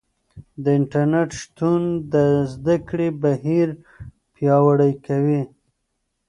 د انټرنیټ شتون د زده کړې بهیر پیاوړی کوي.